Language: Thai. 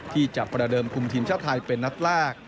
ที่จะประเดิมคุมทีมชาติไทยเป็นนัดแรก